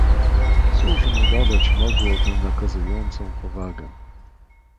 "Cóż mu nadać mogło tę nakazującą powagę?"